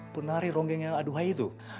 penari ronggeng yang aduhai itu